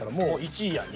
１位やん。